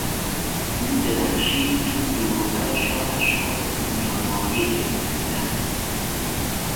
او درخشید چون دور و برش را اشخاص میانمایه گرفته بودند.